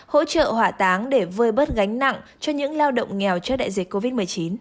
hỗ trợ hỏa táng để vơi bớt gánh nặng cho những lao động nghèo trước đại dịch covid một mươi chín